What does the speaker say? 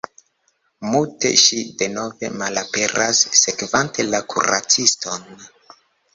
Mute ŝi denove malaperas, sekvante la kuraciston.